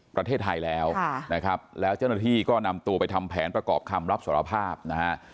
ประเทศไทยแล้วนะครับแล้วเจ้าหน้าที่ก็นำตัวไปทำแผนประกอบคำรับสารภาพนะฮะ